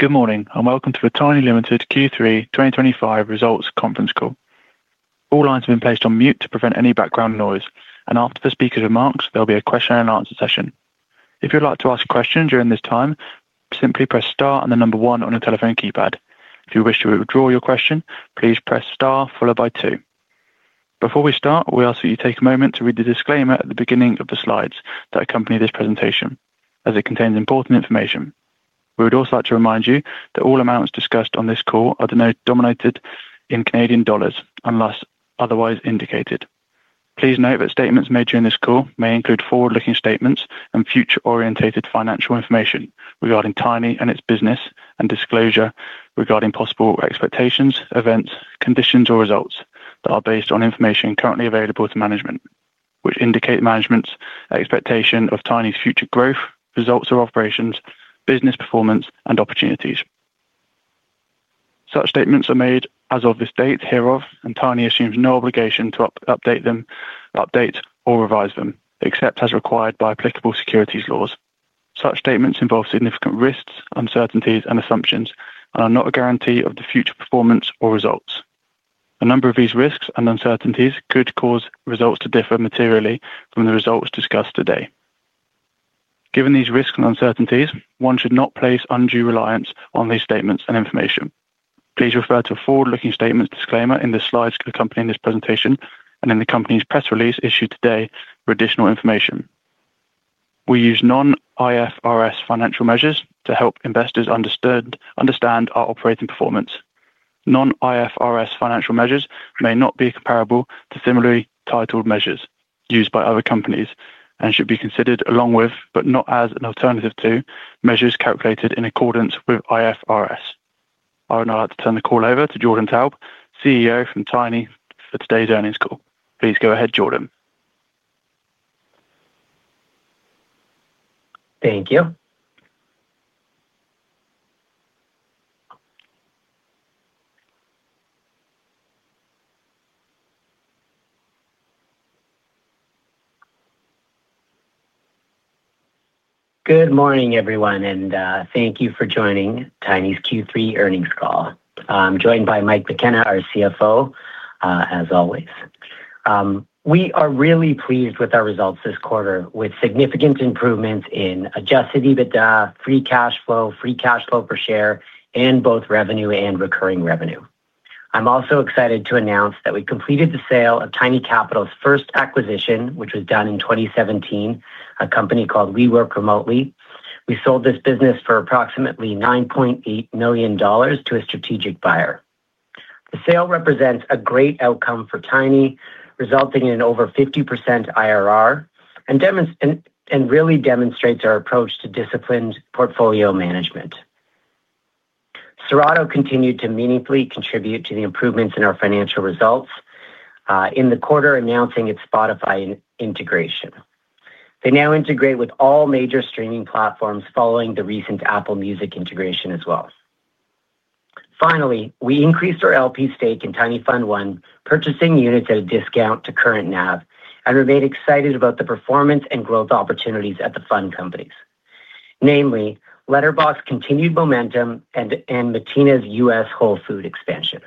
Good morning and welcome to the Tiny Ltd. Q3 2025 Results Conference Call. All lines have been placed on mute to prevent any background noise, and after the speaker's remarks, there'll be a question and answer session. If you'd like to ask a question during this time, simply press Star and the number one on your telephone keypad. If you wish to withdraw your question, please press Star followed by two. Before we start, we ask that you take a moment to read the disclaimer at the beginning of the slides that accompany this presentation, as it contains important information. We would also like to remind you that all amounts discussed on this call are denoted in Canadian dollars unless otherwise indicated. Please note that statements made during this call may include forward-looking statements and future-orientated financial information regarding Tiny and its business, and disclosure regarding possible expectations, events, conditions, or results that are based on information currently available to management, which indicate management's expectation of Tiny's future growth, results of operations, business performance, and opportunities. Such statements are made as of this date hereof, and Tiny assumes no obligation to update them or revise them, except as required by applicable securities laws. Such statements involve significant risks, uncertainties, and assumptions, and are not a guarantee of the future performance or results. A number of these risks and uncertainties could cause results to differ materially from the results discussed today. Given these risks and uncertainties, one should not place undue reliance on these statements and information. Please refer to the forward-looking statements disclaimer in the slides accompanying this presentation and in the company's press release issued today for additional information. We use non-IFRS financial measures to help investors understand our operating performance. Non-IFRS financial measures may not be comparable to similarly titled measures used by other companies and should be considered along with, but not as an alternative to, measures calculated in accordance with IFRS. I would now like to turn the call over to Jordan Taub, CEO from Tiny for today's earnings call. Please go ahead, Jordan. Thank you. Good morning, everyone, and thank you for joining Tiny's Q3 earnings call. I'm joined by Mike McKenna, our CFO, as always. We are really pleased with our results this quarter, with significant improvements in adjusted EBITDA, free cash flow, free cash flow per share, and both revenue and recurring revenue. I'm also excited to announce that we completed the sale of Tiny Capital's first acquisition, which was done in 2017, a company called WeWork Remotely. We sold this business for approximately 9.8 million dollars to a strategic buyer. The sale represents a great outcome for Tiny, resulting in over 50% IRR and really demonstrates our approach to disciplined portfolio management. Serato continued to meaningfully contribute to the improvements in our financial results in the quarter, announcing its Spotify integration. They now integrate with all major streaming platforms following the recent Apple Music integration as well. Finally, we increased our LP stake in Tiny Fund One, purchasing units at a discount to current NAV, and remain excited about the performance and growth opportunities at the fund companies, namely Letterboxd's continued momentum and Matina's US Whole Food expansion.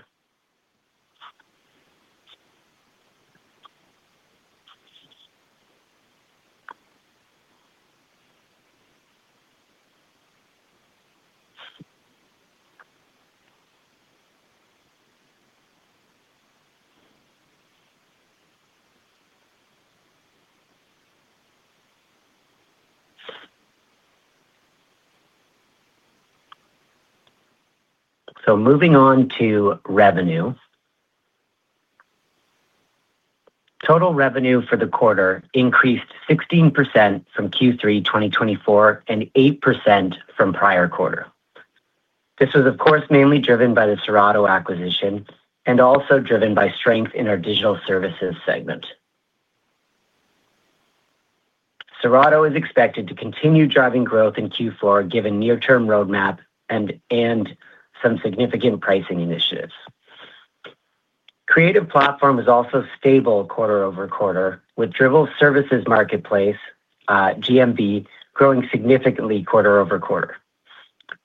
Moving on to revenue. Total revenue for the quarter increased 16% from Q3 2024 and 8% from prior quarter. This was, of course, mainly driven by the Serato acquisition and also driven by strength in our Digital Services segment. Serato is expected to continue driving growth in Q4 given near-term roadmap and some significant pricing initiatives. Creative Platform is also stable quarter over quarter, with Dribbble Services Marketplace, GMB, growing significantly quarter over quarter.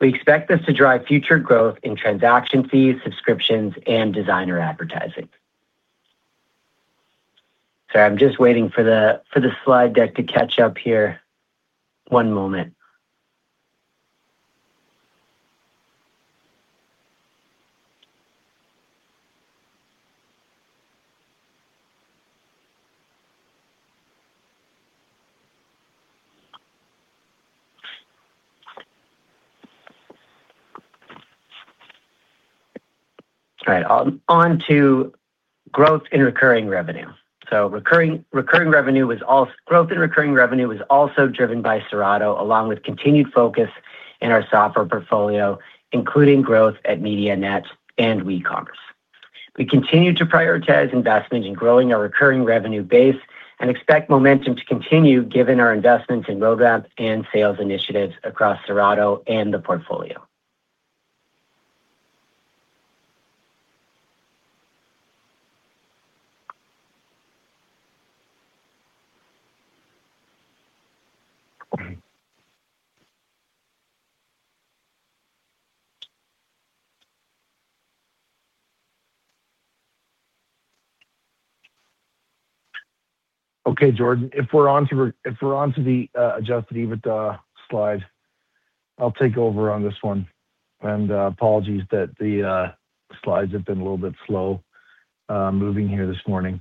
We expect this to drive future growth in transaction fees, subscriptions, and designer advertising. Sorry, I'm just waiting for the slide deck to catch up here. One moment. All right, on to growth in recurring revenue. Recurring revenue was also driven by Serato, along with continued focus in our software portfolio, including growth at Media.net and WooCommerce. We continue to prioritize investment in growing our recurring revenue base and expect momentum to continue given our investments in roadmap and sales initiatives across Serato and the portfolio. Okay, Jordan, if we're on to the adjusted EBITDA slide, I'll take over on this one. Apologies that the slides have been a little bit slow moving here this morning.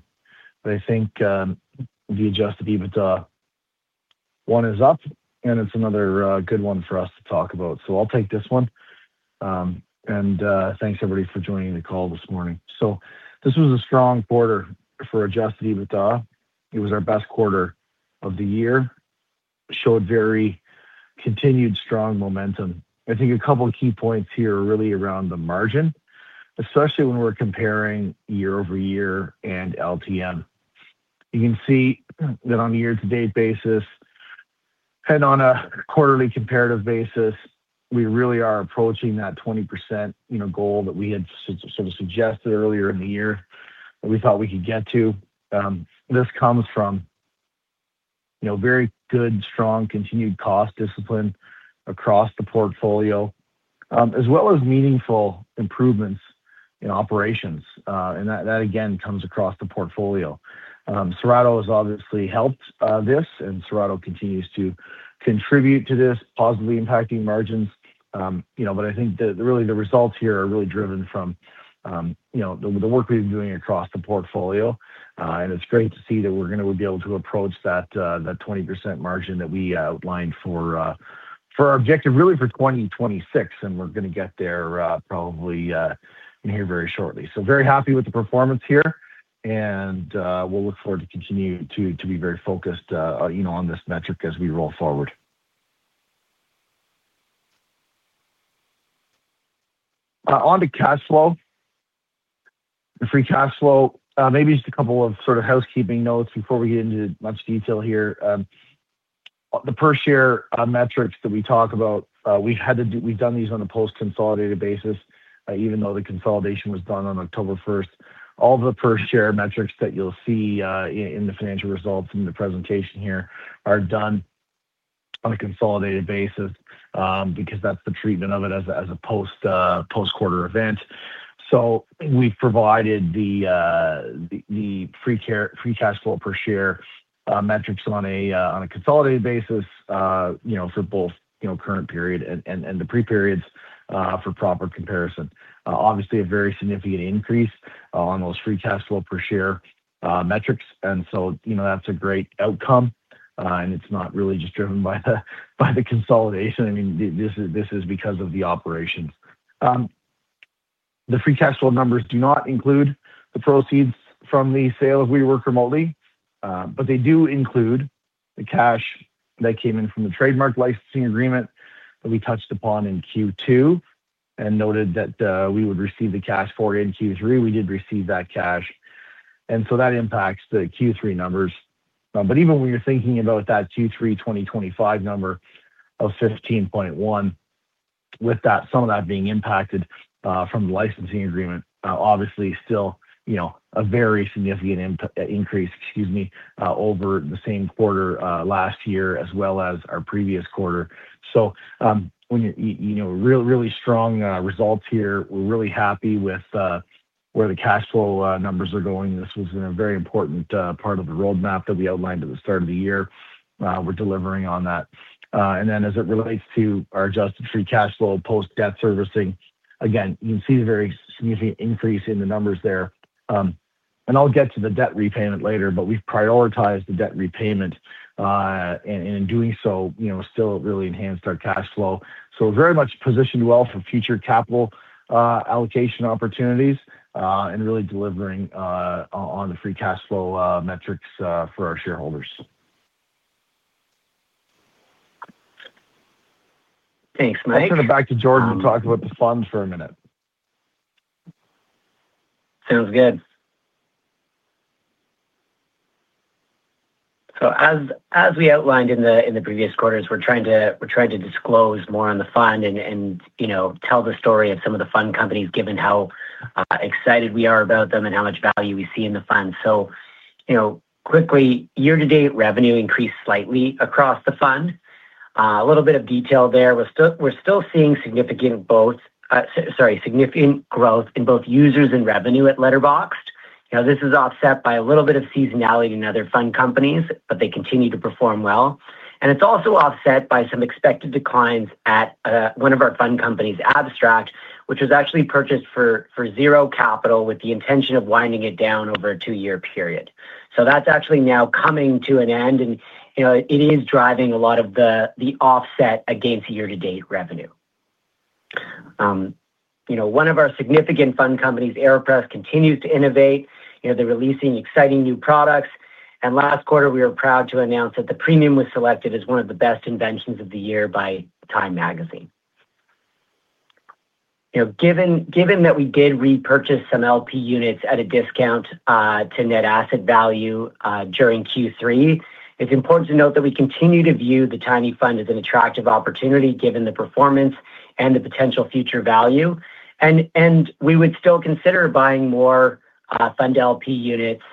I think the adjusted EBITDA one is up, and it's another good one for us to talk about. I'll take this one. Thanks, everybody, for joining the call this morning. This was a strong quarter for adjusted EBITDA. It was our best quarter of the year. It showed very continued strong momentum. I think a couple of key points here are really around the margin, especially when we're comparing year over year and LTM. You can see that on a year-to-date basis and on a quarterly comparative basis, we really are approaching that 20% goal that we had sort of suggested earlier in the year that we thought we could get to. This comes from very good, strong, continued cost discipline across the portfolio, as well as meaningful improvements in operations. That, again, comes across the portfolio. Serato has obviously helped this, and Serato continues to contribute to this, positively impacting margins. I think that really the results here are really driven from the work we've been doing across the portfolio. It's great to see that we're going to be able to approach that 20% margin that we outlined for our objective, really for 2026, and we're going to get there probably in here very shortly. Very happy with the performance here, and we'll look forward to continuing to be very focused on this metric as we roll forward. On to cash flow, the free cash flow. Maybe just a couple of sort of housekeeping notes before we get into much detail here. The per-share metrics that we talk about, we've done these on a post-consolidated basis, even though the consolidation was done on October 1st. All the per-share metrics that you'll see in the financial results and the presentation here are done on a consolidated basis because that's the treatment of it as a post-quarter event. We've provided the free cash flow per-share metrics on a consolidated basis for both current period and the pre-periods for proper comparison. Obviously, a very significant increase on those free cash flow per-share metrics. That's a great outcome, and it's not really just driven by the consolidation. I mean, this is because of the operations. The free cash flow numbers do not include the proceeds from the sale of We Work Remotely, but they do include the cash that came in from the trademark licensing agreement that we touched upon in Q2 and noted that we would receive the cash for in Q3. We did receive that cash. That impacts the Q3 numbers. Even when you're thinking about that Q3 2025 number of 15.1 million, with some of that being impacted from the licensing agreement, obviously still a very significant increase, excuse me, over the same quarter last year as well as our previous quarter. Really strong results here. We're really happy with where the cash flow numbers are going. This was a very important part of the roadmap that we outlined at the start of the year. We're delivering on that. As it relates to our adjusted free cash flow post-debt servicing, again, you can see a very significant increase in the numbers there. I'll get to the debt repayment later, but we've prioritized the debt repayment, and in doing so, still really enhanced our cash flow. Very much positioned well for future capital allocation opportunities and really delivering on the free cash flow metrics for our shareholders. Thanks, Mike. I'll turn it back to Jordan to talk about the fund for a minute. Sounds good. As we outlined in the previous quarters, we're trying to disclose more on the fund and tell the story of some of the fund companies, given how excited we are about them and how much value we see in the fund. Quickly, year-to-date revenue increased slightly across the fund. A little bit of detail there. We're still seeing significant growth in both users and revenue at Letterboxd. This is offset by a little bit of seasonality in other fund companies, but they continue to perform well. It is also offset by some expected declines at one of our fund companies, Abstract, which was actually purchased for zero capital with the intention of winding it down over a two-year period. That is actually now coming to an end, and it is driving a lot of the offset against year-to-date revenue. One of our significant fund companies, Aeropress, continues to innovate. They're releasing exciting new products. Last quarter, we were proud to announce that the premium was selected as one of the best inventions of the year by Tiny magazine. Given that we did repurchase some LP units at a discount to net asset value during Q3, it's important to note that we continue to view the Tiny fund as an attractive opportunity given the performance and the potential future value. We would still consider buying more fund LP units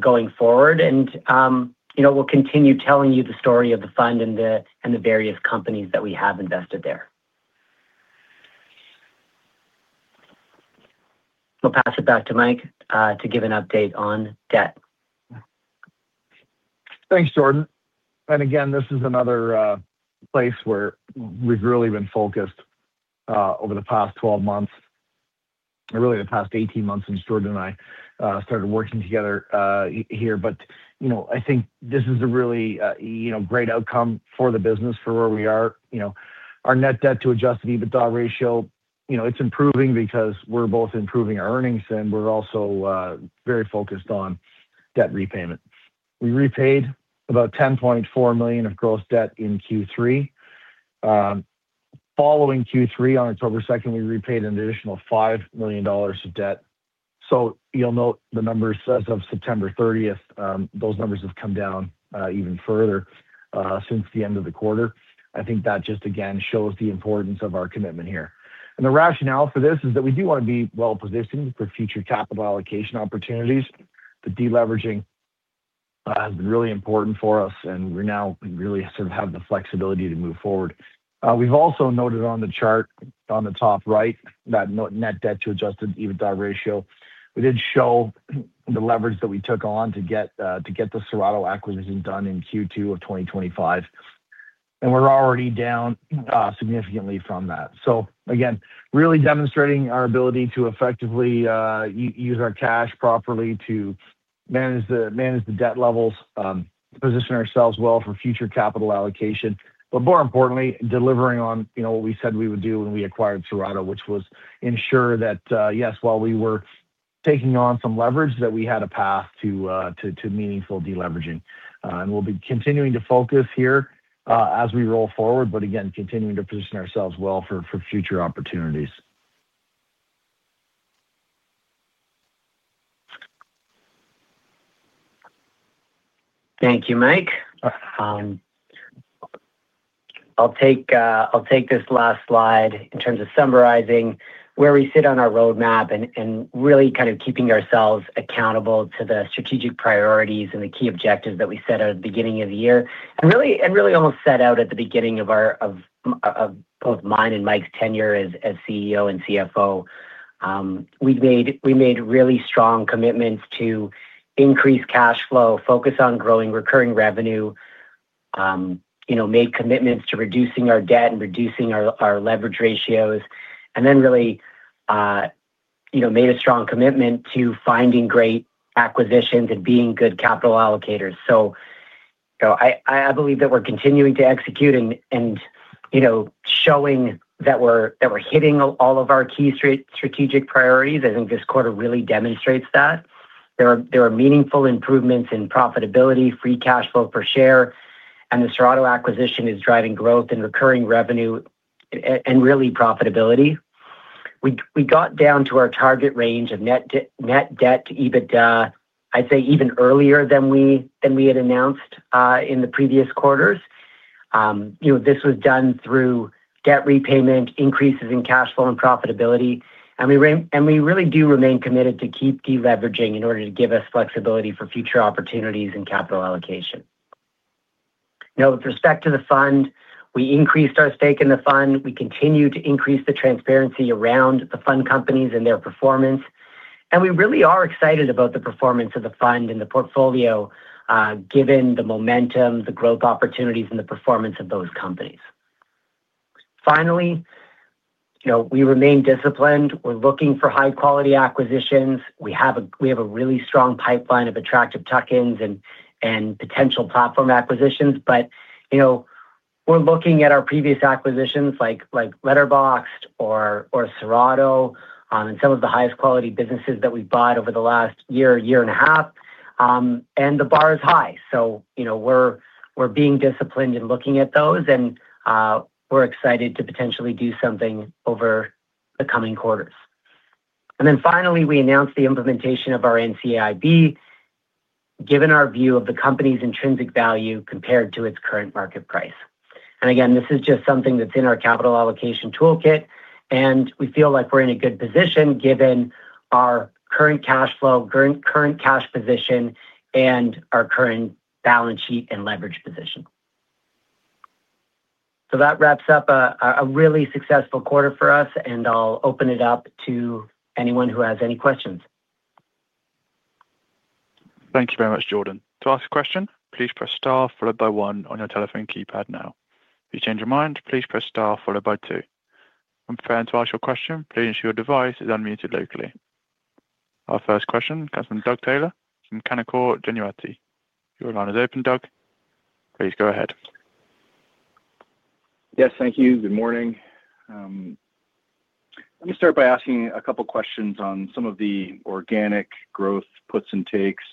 going forward, and we'll continue telling you the story of the fund and the various companies that we have invested there. I'll pass it back to Mike to give an update on debt. Thanks, Jordan. Again, this is another place where we've really been focused over the past 12 months, or really the past 18 months since Jordan and I started working together here. I think this is a really great outcome for the business for where we are. Our net debt to Adjusted EBITDA ratio, it's improving because we're both improving our earnings, and we're also very focused on debt repayment. We repaid about 10.4 million of gross debt in Q3. Following Q3, on October 2, we repaid an additional 5 million dollars of debt. You'll note the numbers as of September 30, those numbers have come down even further since the end of the quarter. I think that just, again, shows the importance of our commitment here. The rationale for this is that we do want to be well-positioned for future capital allocation opportunities. The deleveraging has been really important for us, and we now really sort of have the flexibility to move forward. We've also noted on the chart on the top right that net debt to Adjusted EBITDA ratio, we did show the leverage that we took on to get the Serato acquisition done in Q2 of 2025. We're already down significantly from that. Again, really demonstrating our ability to effectively use our cash properly to manage the debt levels, position ourselves well for future capital allocation. More importantly, delivering on what we said we would do when we acquired Serato, which was ensure that, yes, while we were taking on some leverage, we had a path to meaningful deleveraging. We'll be continuing to focus here as we roll forward, again, continuing to position ourselves well for future opportunities. Thank you, Mike. I'll take this last slide in terms of summarizing where we sit on our roadmap and really kind of keeping ourselves accountable to the strategic priorities and the key objectives that we set out at the beginning of the year. Really almost set out at the beginning of both mine and Mike's tenure as CEO and CFO. We made really strong commitments to increase cash flow, focus on growing recurring revenue, made commitments to reducing our debt and reducing our leverage ratios, and then really made a strong commitment to finding great acquisitions and being good capital allocators. I believe that we're continuing to execute and showing that we're hitting all of our key strategic priorities. I think this quarter really demonstrates that. There are meaningful improvements in profitability, free cash flow per share, and the Serato acquisition is driving growth in recurring revenue and really profitability. We got down to our target range of net debt to EBITDA, I'd say even earlier than we had announced in the previous quarters. This was done through debt repayment, increases in cash flow, and profitability. We really do remain committed to keep deleveraging in order to give us flexibility for future opportunities and capital allocation. Now, with respect to the fund, we increased our stake in the fund. We continue to increase the transparency around the fund companies and their performance. We really are excited about the performance of the fund and the portfolio given the momentum, the growth opportunities, and the performance of those companies. Finally, we remain disciplined. We're looking for high-quality acquisitions. We have a really strong pipeline of attractive tuck-ins and potential platform acquisitions. We are looking at our previous acquisitions like Letterboxd or Serato and some of the highest-quality businesses that we have bought over the last year, year and a half. The bar is high. We are being disciplined in looking at those, and we are excited to potentially do something over the coming quarters. Finally, we announced the implementation of our NCIB, given our view of the company's intrinsic value compared to its current market price. This is just something that is in our capital allocation toolkit, and we feel like we are in a good position given our current cash flow, current cash position, and our current balance sheet and leverage position. That wraps up a really successful quarter for us, and I will open it up to anyone who has any questions. Thank you very much, Jordan. To ask a question, please press Star followed by One on your telephone keypad now. If you change your mind, please press Star followed by Two. When preparing to ask your question, please ensure your device is unmuted locally. Our first question comes from Doug Taylor from Canaccord Genuity. Your line is open, Doug. Please go ahead. Yes, thank you. Good morning. Let me start by asking a couple of questions on some of the organic growth puts and takes.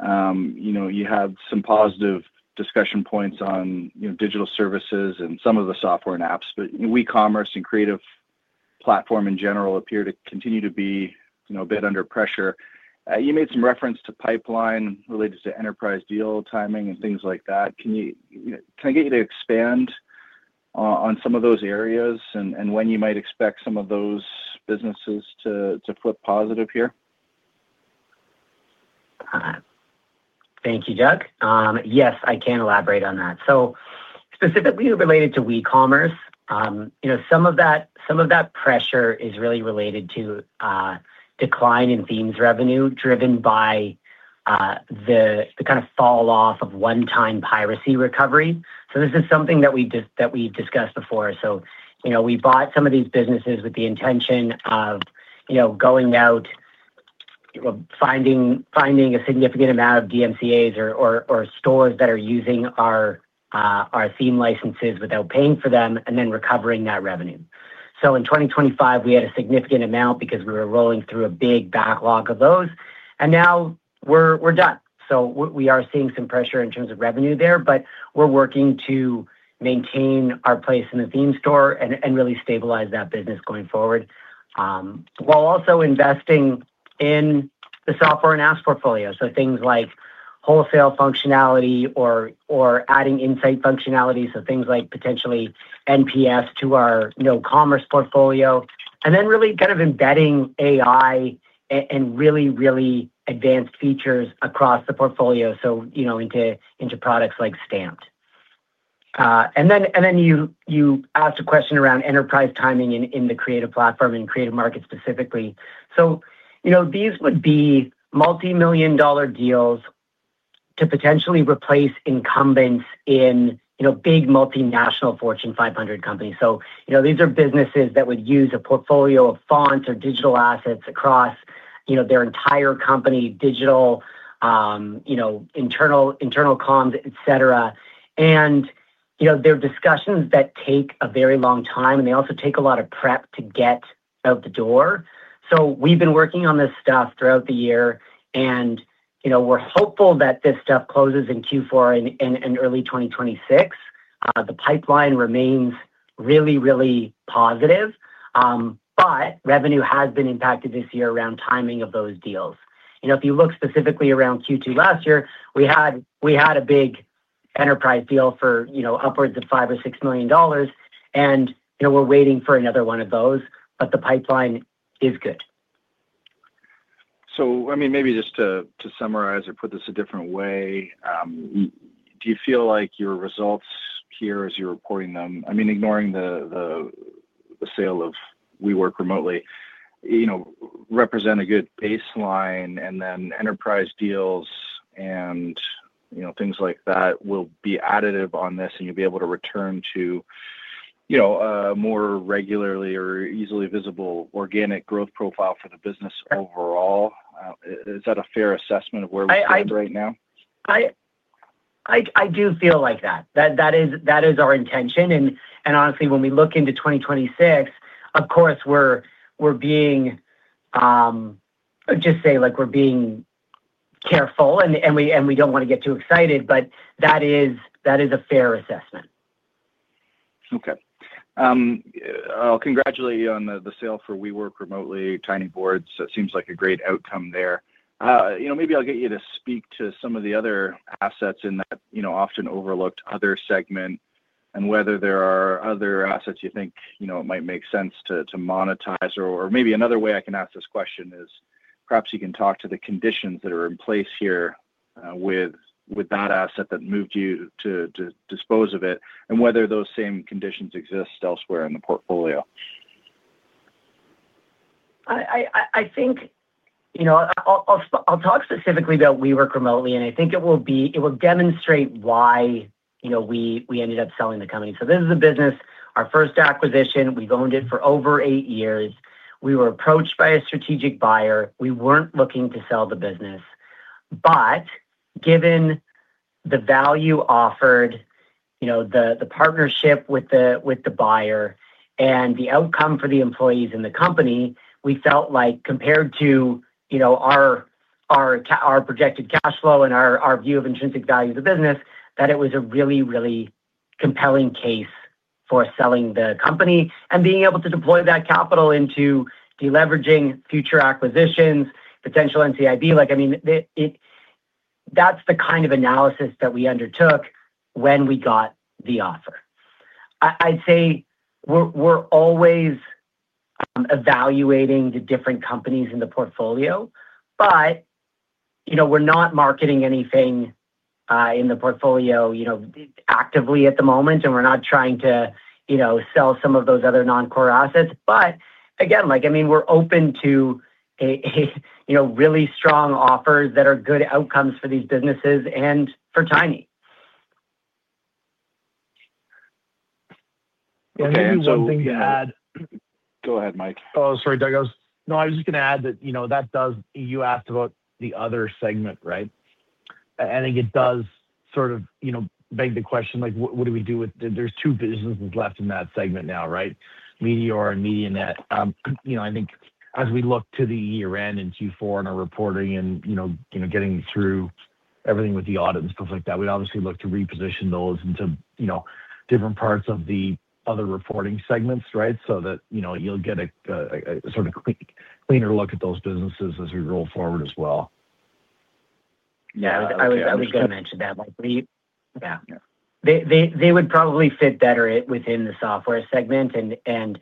You have some positive discussion points on Digital Services and some of the Software and Apps, but e-commerce and Creative Platform in general appear to continue to be a bit under pressure. You made some reference to pipeline related to enterprise deal timing and things like that. Can I get you to expand on some of those areas and when you might expect some of those businesses to flip positive here? Thank you, Doug. Yes, I can elaborate on that. Specifically related to WooCommerce, some of that pressure is really related to decline in themes revenue driven by the kind of falloff of one-time piracy recovery. This is something that we've discussed before. We bought some of these businesses with the intention of going out, finding a significant amount of DMCAs or stores that are using our theme licenses without paying for them, and then recovering that revenue. In 2025, we had a significant amount because we were rolling through a big backlog of those. Now we're done. We are seeing some pressure in terms of revenue there, but we're working to maintain our place in the theme store and really stabilize that business going forward while also investing in the software and apps portfolio. Things like wholesale functionality or adding insight functionality. Things like potentially NPS to our no-commerce portfolio. And then really kind of embedding AI and really, really advanced features across the portfolio into products like Stamped. You asked a question around enterprise timing in the creative platform and Creative Market specifically. These would be multi-million dollar deals to potentially replace incumbents in big multinational Fortune 500 companies. These are businesses that would use a portfolio of fonts or digital assets across their entire company, digital internal comms, etc. They're discussions that take a very long time, and they also take a lot of prep to get out the door. We've been working on this stuff throughout the year, and we're hopeful that this stuff closes in Q4 and early 2026. The pipeline remains really, really positive, but revenue has been impacted this year around timing of those deals. If you look specifically around Q2 last year, we had a big enterprise deal for upwards of 5 million - 6 million dollars, and we're waiting for another one of those, but the pipeline is good. I mean, maybe just to summarize or put this a different way, do you feel like your results here as you're reporting them, I mean, ignoring the sale of We Work Remotely, represent a good baseline, and then enterprise deals and things like that will be additive on this, and you'll be able to return to a more regularly or easily visible organic growth profile for the business overall. Is that a fair assessment of where we stand right now? I do feel like that. That is our intention. Honestly, when we look into 2026, of course, we're being, I'd just say we're being careful, and we don't want to get too excited, but that is a fair assessment. Okay. I'll congratulate you on the sale for We Work Remotely, Tiny Boards. It seems like a great outcome there. Maybe I'll get you to speak to some of the other assets in that often overlooked other segment and whether there are other assets you think it might make sense to monetize. Or maybe another way I can ask this question is perhaps you can talk to the conditions that are in place here with that asset that moved you to dispose of it and whether those same conditions exist elsewhere in the portfolio. I think I'll talk specifically about We Work Remotely, and I think it will demonstrate why we ended up selling the company. This is a business, our first acquisition. We've owned it for over eight years. We were approached by a strategic buyer. We weren't looking to sell the business. Given the value offered, the partnership with the buyer, and the outcome for the employees and the company, we felt like compared to our projected cash flow and our view of intrinsic value of the business, it was a really, really compelling case for selling the company and being able to deploy that capital into deleveraging, future acquisitions, potential NCIB. I mean, that's the kind of analysis that we undertook when we got the offer. I'd say we're always evaluating the different companies in the portfolio, but we're not marketing anything in the portfolio actively at the moment, and we're not trying to sell some of those other non-core assets. Again, I mean, we're open to really strong offers that are good outcomes for these businesses and for Tiny. Can I add something? Go ahead, Mike. Oh, sorry, Doug. I was, no, I was just going to add that does, you asked about the other segment, right? I think it does sort of beg the question, what do we do with, there are two businesses left in that segment now, right? Media.net or Media.net. I think as we look to the year end and Q4 and our reporting and getting through everything with the audit and stuff like that, we obviously look to reposition those into different parts of the other reporting segments, right? That way you'll get a sort of cleaner look at those businesses as we roll forward as well. Yeah, I was going to mention that. Yeah. They would probably fit better within the software segment, and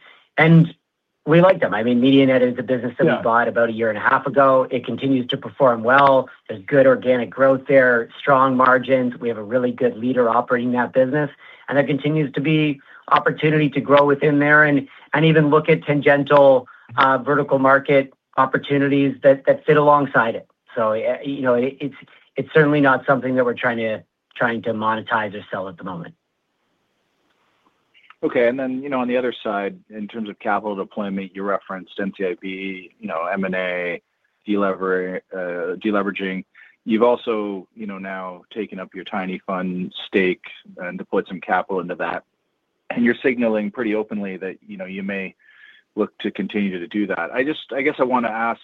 we like them. I mean, Media.net is a business that we bought about a year and a half ago. It continues to perform well. There's good organic growth there, strong margins. We have a really good leader operating that business, and there continues to be opportunity to grow within there and even look at tangential vertical market opportunities that fit alongside it. It is certainly not something that we're trying to monetize or sell at the moment. Okay. On the other side, in terms of capital deployment, you referenced NCIB, M&A, deleveraging. You've also now taken up your Tiny Fund stake and deployed some capital into that. You're signaling pretty openly that you may look to continue to do that. I guess I want to ask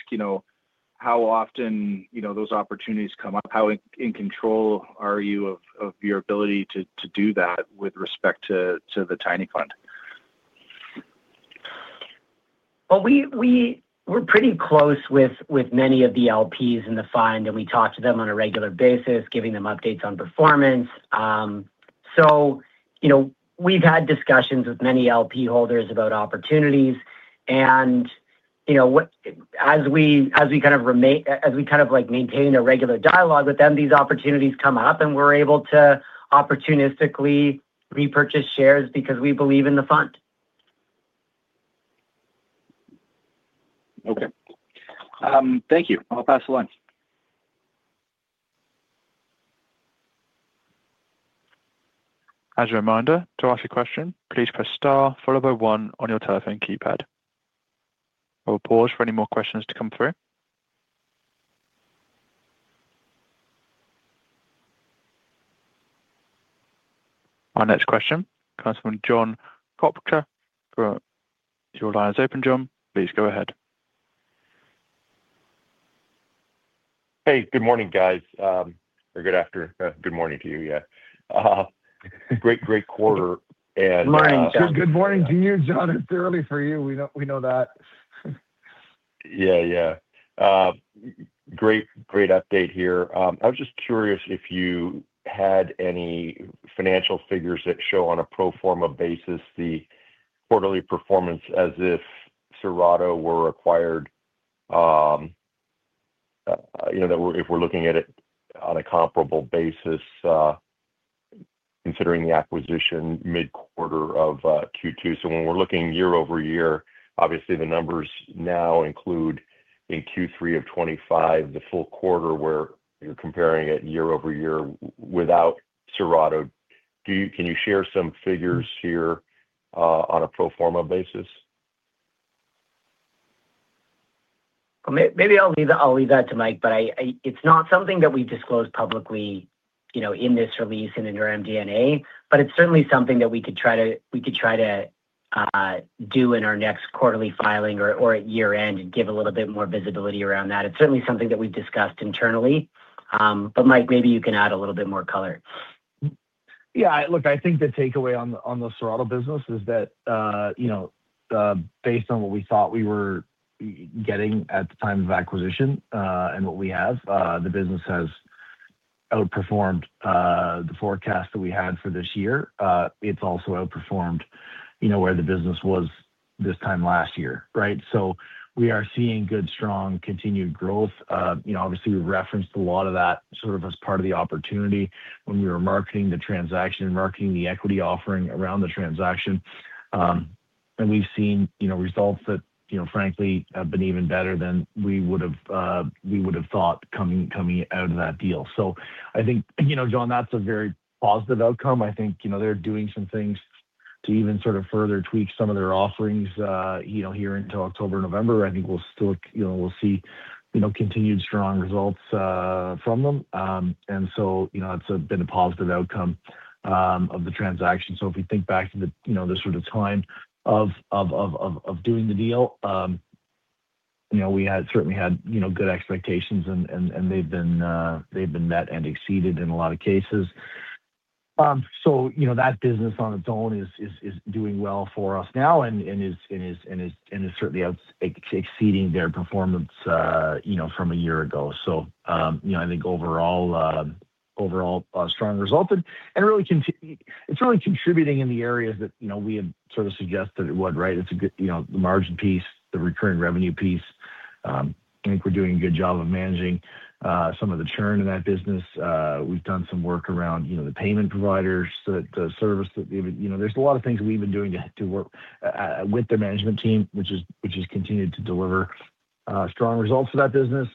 how often those opportunities come up? How in control are you of your ability to do that with respect to the Tiny Fund? We're pretty close with many of the LPs in the fund, and we talk to them on a regular basis, giving them updates on performance. We've had discussions with many LP holders about opportunities. As we kind of maintain a regular dialogue with them, these opportunities come up, and we're able to opportunistically repurchase shares because we believe in the fund. Okay. Thank you. I'll pass the line. As a reminder, to ask a question, please press Star followed by One on your telephone keypad. We'll pause for any more questions to come through. Our next question comes from John Koppker. Your line is open, John. Please go ahead. Hey, good morning, guys. Or good afternoon. Good morning to you. Yeah. Great, great quarter. Good morning. Good morning to you, John. It's early for you. We know that. Yeah, yeah. Great, great update here. I was just curious if you had any financial figures that show on a pro forma basis the quarterly performance as if Serato were acquired, if we're looking at it on a comparable basis, considering the acquisition mid-quarter of Q2. When we're looking year over year, obviously the numbers now include in Q3 of 2025, the full quarter where you're comparing it year over year without Serato. Can you share some figures here on a pro forma basis? Maybe I'll leave that to Mike, but it's not something that we've disclosed publicly in this release and in our MD&A, but it's certainly something that we could try to do in our next quarterly filing or at year end and give a little bit more visibility around that. It's certainly something that we've discussed internally, but Mike, maybe you can add a little bit more color. Yeah. Look, I think the takeaway on the Serato business is that based on what we thought we were getting at the time of acquisition and what we have, the business has outperformed the forecast that we had for this year. It has also outperformed where the business was this time last year, right? We are seeing good, strong, continued growth. Obviously, we have referenced a lot of that sort of as part of the opportunity when we were marketing the transaction, marketing the equity offering around the transaction. We have seen results that, frankly, have been even better than we would have thought coming out of that deal. I think, John, that is a very positive outcome. I think they are doing some things to even sort of further tweak some of their offerings here into October and November. I think we will see continued strong results from them. That's been a positive outcome of the transaction. If we think back to this sort of time of doing the deal, we certainly had good expectations, and they've been met and exceeded in a lot of cases. That business on its own is doing well for us now and is certainly exceeding their performance from a year ago. I think overall, strong result. It's really contributing in the areas that we have sort of suggested it would, right? It's a good margin piece, the recurring revenue piece. I think we're doing a good job of managing some of the churn in that business. We've done some work around the payment providers, the service, there's a lot of things we've been doing to work with the management team, which has continued to deliver strong results for that business.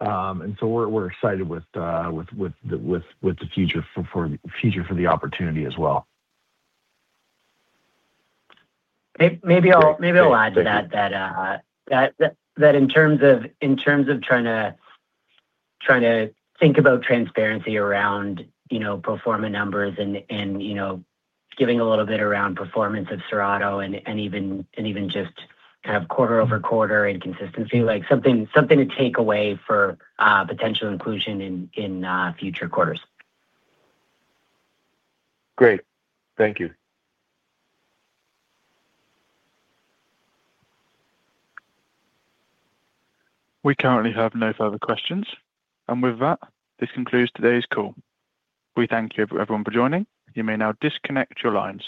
We're excited with the future for the opportunity as well. Maybe I'll add to that that in terms of trying to think about transparency around pro forma numbers and giving a little bit around performance of Serato and even just kind of quarter over quarter inconsistency, something to take away for potential inclusion in future quarters. Great. Thank you. We currently have no further questions. With that, this concludes today's call. We thank everyone for joining. You may now disconnect your lines.